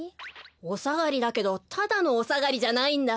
おさがりだけどただのおさがりじゃないんだ。